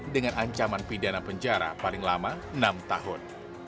dengan ancaman pidana penjara paling lama enam tahun